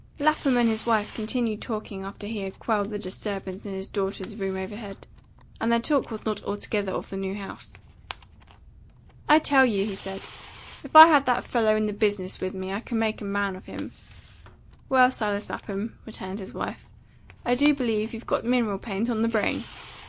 LAPHAM and his wife continued talking after he had quelled the disturbance in his daughters' room overhead; and their talk was not altogether of the new house. "I tell you," he said, "if I had that fellow in the business with me I would make a man of him." "Well, Silas Lapham," returned his wife, "I do believe you've got mineral paint on the brain.